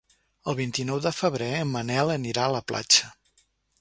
El vint-i-nou de febrer en Manel anirà a la platja.